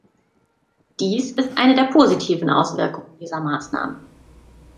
Dies ist eine der positiven Auswirkungen dieser Maßnahme.